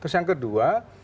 terus yang kedua